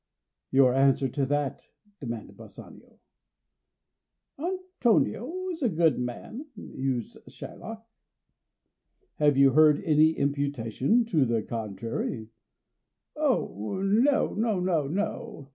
"Your answer to that?" demanded Bassanio. "Antonio is a good man," mused Shylock. "Have you heard any imputation to the contrary?" "Oh, no, no, no, no!